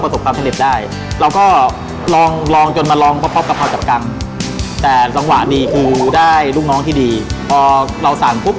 ตอนี้มันก็เลยทำให้ประสบความสำเร็จกันทั้งคู่